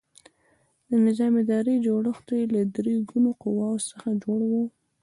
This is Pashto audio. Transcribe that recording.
د نظام اداري جوړښت یې له درې ګونو قواوو څخه جوړ و.